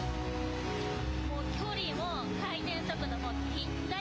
もう、距離も回転速度もぴったり。